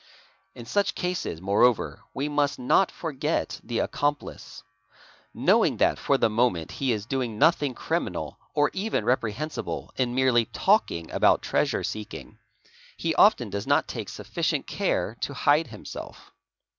In such cases moreover we must not forget the accomplice. Knowin that for the moment he is doing nothing criminal or even reprehensib in merely talking about treasure seeking, he often does not take sufficie: care to hide himself.